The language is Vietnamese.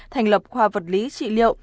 thành lập khoa vật lý trị liệu